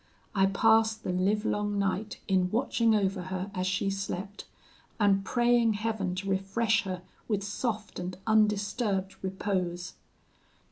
I passed the livelong night in watching over her as she slept, and praying Heaven to refresh her with soft and undisturbed repose.